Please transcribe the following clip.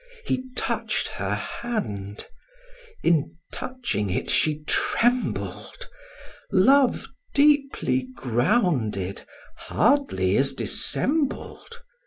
He touch'd her hand; in touching it she trembled: Love deeply grounded, hardly is dissembled.